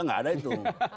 nggak ada itu